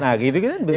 nah gitu kan